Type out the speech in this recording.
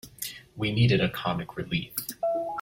We needed a comic relief.